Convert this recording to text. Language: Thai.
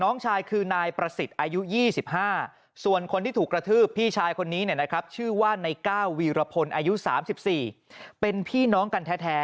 อ๋อนี่นะฮะ